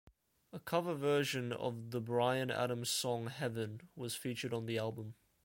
A cover version of the Bryan Adams song "Heaven" was featured on the album.